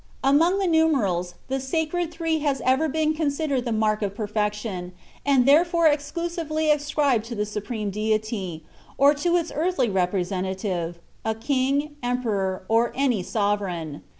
"Among the numerals the sacred three has ever been considered the mark of perfection, and was therefore exclusively ascribed to the Supreme Deity, or to its earthly representative a king, emperor, or any sovereign.